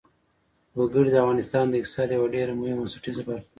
وګړي د افغانستان د اقتصاد یوه ډېره مهمه او بنسټیزه برخه ده.